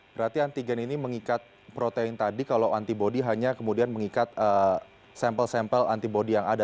berarti antigen ini mengikat protein tadi kalau antibody hanya kemudian mengikat sampel sampel antibody yang ada